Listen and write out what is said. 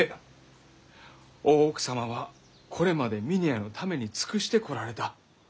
大奥様はこれまで峰屋のために尽くしてこられた。